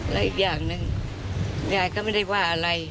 และอีกอย่างหนึ่งยายก็ไม่ได้ว่าอะไร